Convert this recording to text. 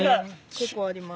結構あります。